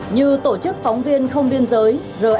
như tổ chức phóng viên không biên giới